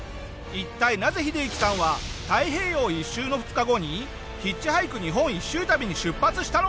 一体なぜヒデユキさんは太平洋一周の２日後にヒッチハイク日本一周旅に出発したのか？